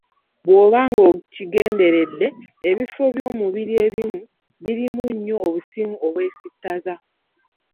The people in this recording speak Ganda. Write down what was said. Bw’oba nga okigenderedde ebifo by'omubiri ebimu birimu nnyo obusimu obwesittaza.